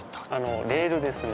レールですね